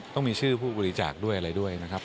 ต้องมีชื่อผู้บริจาคด้วยอะไรด้วยนะครับ